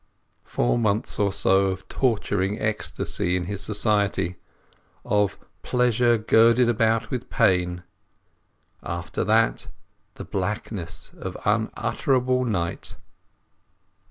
Four months or so of torturing ecstasy in his society—of "pleasure girdled about with pain". After that the blackness of unutterable night.